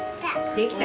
できた。